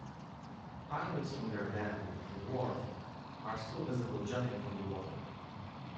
Pilings from their dam and wharf are still visible jutting from the water.